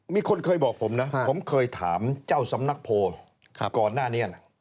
มีคนเคยบอกผมนะผมเคยถามเจ้าสำนักโพลก่อนหน้านี้นะ